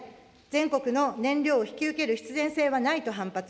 全国の燃料を引き受ける必然性はないと反発。